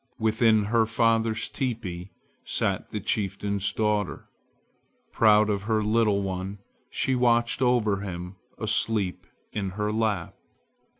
Within her father's teepee sat the chieftain's daughter. Proud of her little one, she watched over him asleep in her lap.